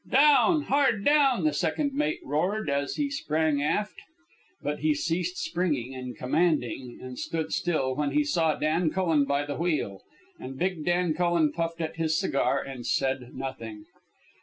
"Down! Hard down!" the second mate roared, as he sprang aft. But he ceased springing and commanding, and stood still, when he saw Dan Cullen by the wheel. And big Dan Cullen puffed at his cigar and said nothing.